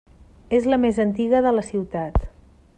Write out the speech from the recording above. És la més antiga de la ciutat.